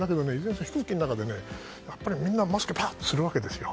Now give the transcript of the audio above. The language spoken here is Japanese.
飛行機の中でみんなマスクをパッとするわけですよね。